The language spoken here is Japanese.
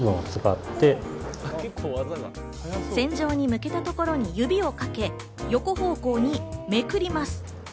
線状にむけたところに指をかけ、横方向にめくります。